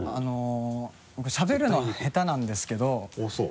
僕しゃべるのが下手なんですけどあぁそう。